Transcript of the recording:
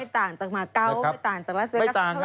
ไม่ต่างจากหมาเก้าไม่ต่างจากเวกัส